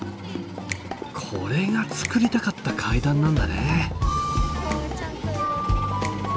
これが作りたかった階段なんだね。